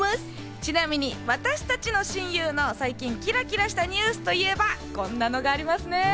ちなみに私たちの親友の最近キラキラしたニュースといえばこんなのがありますね。